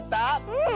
うん。